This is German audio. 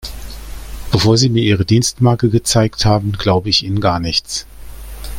Bevor Sie mir Ihre Dienstmarke gezeigt haben, glaube ich Ihnen gar nichts.